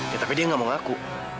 ya tapi dia nggak mau ngaku